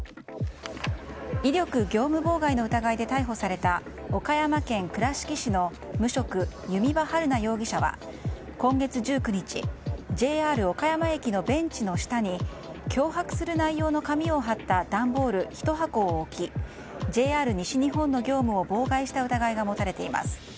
威力業務妨害の疑いで逮捕された岡山県倉敷市の無職弓場晴菜容疑者は今月１９日ＪＲ岡山駅のベンチの下に脅迫する内容の紙を貼った段ボール１箱を置きＪＲ西日本の業務を妨害した疑いが持たれています。